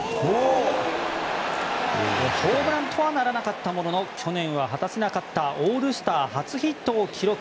ホームランとはならなかったものの去年は果たせなかったオールスター初ヒットを記録。